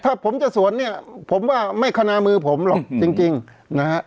ถ้าผมจะสวนเนี่ยผมว่าไม่คณามือผมหรอกจริงนะฮะ